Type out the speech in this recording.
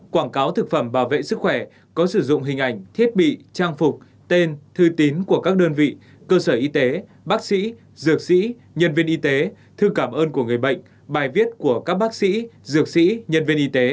quảng cáo thực phẩm bảo vệ sức khỏe có sử dụng hình ảnh thiết bị trang phục tên thư tín của các đơn vị cơ sở y tế bác sĩ dược sĩ nhân viên y tế thư cảm ơn của người bệnh bài viết của các bác sĩ dược sĩ nhân viên y tế